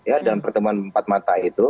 ya dalam pertemuan empat mata itu